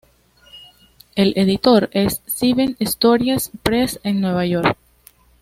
El editor es Seven Stories Press en Nueva York.